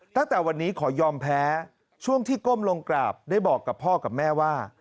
ตั้งแต่วันนี้ขอยอมแพ้ช่วงที่ก้มลงกราบได้บอกกับพ่อกับแม่ว่า